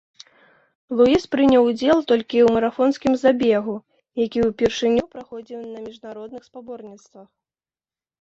Луіс прыняў удзел толькі ў марафонскім забегу, які ўпершыню праходзіў на міжнародных спаборніцтвах.